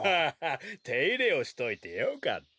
ッていれをしといてよかった。